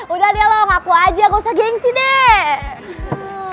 udah nielo ngapain aja gak usah gengsi deh